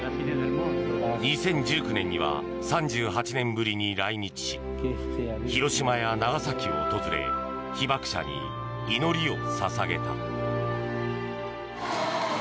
２０１９年には３８年ぶりに来日し広島や長崎を訪れ被爆者に祈りを捧げた。